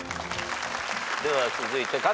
では続いて加藤君。